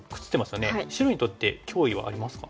白にとって脅威はありますか？